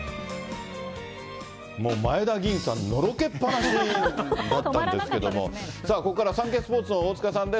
もう前田吟さん、のろけっ放しだったんですけど、さあ、ここからはサンケイスポーツの大塚さんです。